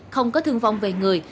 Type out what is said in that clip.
không có thương vong về người